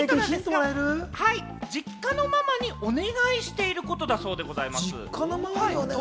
ヒント、実家のママにお願いしていることだそうです。